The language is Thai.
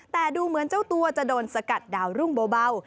แต่ดูเหมือนเจ้าตัวจะโดนสกัดดาวรุ่งเบา